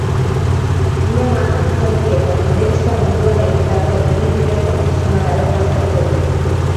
Zinema, antzerki eta telebista munduan egindako ibilbide profesionala errepasatuko du.